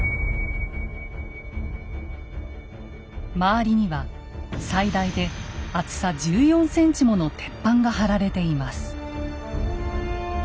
周りには最大で厚さ１４ｃｍもの鉄板が張られています。